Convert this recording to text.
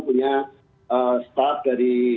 punya staff dari